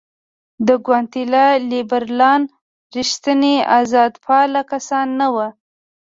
د ګواتیلا لیبرالان رښتیني آزادپاله کسان نه وو.